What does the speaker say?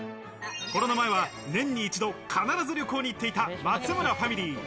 コロナ前は年に一度、必ず旅行に行っていた松村ファミリー。